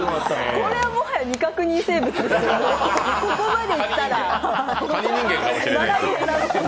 これはもはや未確認生物ですよ。